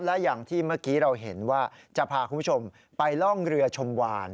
และอย่างที่เมื่อกี้เราเห็นว่าจะพาคุณผู้ชมไปล่องเรือชมวาน